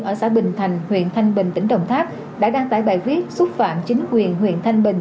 ở xã bình thành huyện thanh bình tỉnh đồng tháp đã đăng tải bài viết xúc phạm chính quyền huyện thanh bình